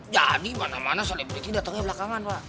jadi mana mana selebriti datangnya belakangan pak